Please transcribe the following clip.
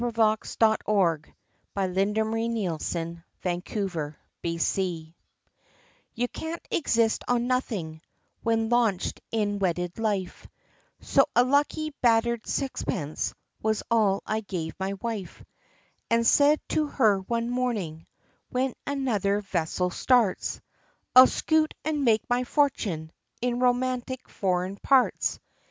[Illustration: The Lucky Sixpence] YOU can't exist on nothing, when launched in wedded life So a lucky battered sixpence, was all I gave my wife, And said to her one morning, "When another vessel starts I'll scoot, and make my fortune, in romantic foreign parts."